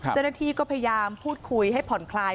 เจ้าหน้าที่ก็พยายามพูดคุยให้ผ่อนคลาย